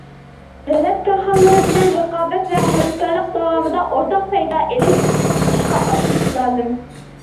دۆلەت كارخانىلىرى بىلەن رىقابەت ۋە ھەمكارلىق داۋامىدا ئورتاق پايدا ئېلىشنى ئىشقا ئاشۇرۇش لازىم.